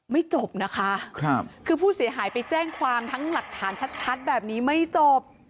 ไม่จบนะคะคือผู้เสียหายไปแจ้งความทั้งหลักฐานชัดแบบนี้ไม่จบ